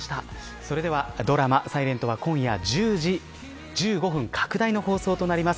それではドラマｓｉｌｅｎｔは今夜１０時１５分拡大放送となります。